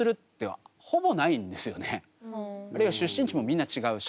あるいは出身地もみんな違うし。